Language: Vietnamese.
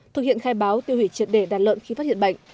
thực hiện khai báo tiêu hủy triệt để đàn lợn khi phát hiện bệnh